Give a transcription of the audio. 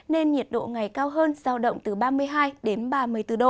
nên nhiệt độ ngày cao hơn giao động từ ba mươi hai đến ba mươi bốn độ